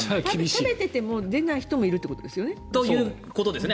食べてても出ない人もいるということですよね。ということですね。